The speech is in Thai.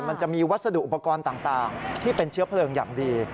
มันจะมีวัสดุอุปกรณ์ต่างที่เป็นเชื้อเพลิงอย่างดี